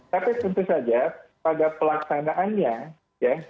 tapi tentu saja pada pelaksanaannya ya